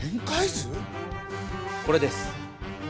これです。